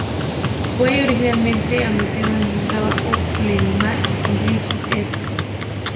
Fue originalmente anunciado en un trabajo preliminar de Kirkland et al.